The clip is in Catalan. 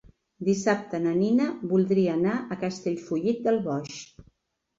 Dissabte na Nina voldria anar a Castellfollit del Boix.